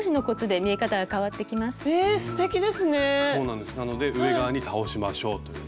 なので上側に倒しましょうという。